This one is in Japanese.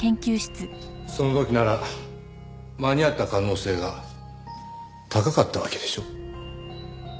その時なら間に合った可能性が高かったわけでしょう。